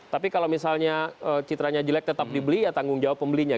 tapi kalau misalnya citranya jelek tetap dibeli ya tanggung jawab pembelinya